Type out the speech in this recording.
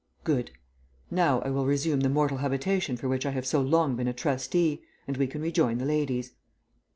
"Good. Now I will resume the mortal habitation for which I have so long been a trustee, and we can rejoin the ladies."